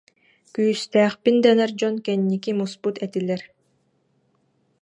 Күүстээхпин дэнэр дьон кэнники муспут этилэр